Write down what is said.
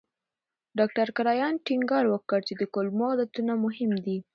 ډاکټر کرایان ټینګار وکړ چې د کولمو عادتونه مهم دي.